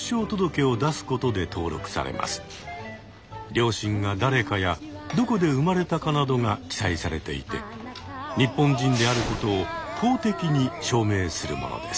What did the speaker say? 両親が誰かやどこで産まれたかなどが記載されていて日本人であることを公的に証明書するものです。